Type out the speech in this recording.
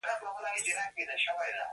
دا دود د علم سرچینه ده.